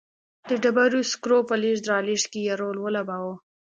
د ډبرو سکرو په لېږد رالېږد کې یې رول ولوباوه.